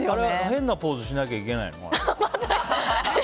変なポーズしなきゃいけないの？